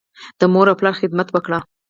د مور او پلار خدمت وکړئ.